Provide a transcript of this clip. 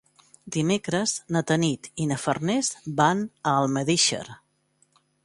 Dimecres na Tanit i na Farners van a Almedíxer.